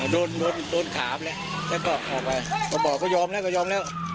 โดนโดนถามแล้วแล้วก็เข้าไปก็บอกเขายอมแล้วก็ยอมแล้ว